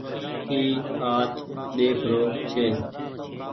اي آج ۮيک رو ڇي۔